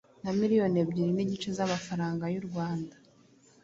na miliyoni ebyiri n’igice z’amafaranga y’u Rwanda